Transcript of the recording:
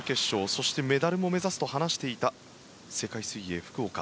そしてメダルも目指すと話していた世界水泳福岡。